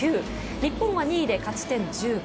日本は２位で勝ち点１５。